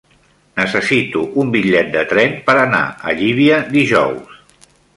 Necessito un bitllet de tren per anar a Llívia dijous.